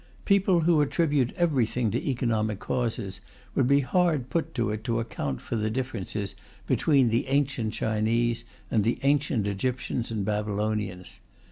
People who attribute everything to economic causes would be hard put to it to account for the differences between the ancient Chinese and the ancient Egyptians and Babylonians.